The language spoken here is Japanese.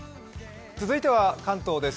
続いては関東です。